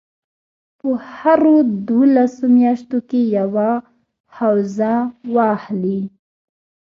په هرو دولسو میاشتو کې یوه حوزه واخلي.